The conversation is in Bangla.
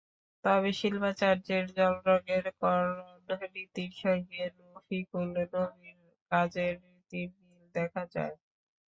তবে শিল্পাচার্যের জলরঙের করণরীতির সঙ্গে রফিকুন নবীর কাজের রীতির মিল দেখা যায়।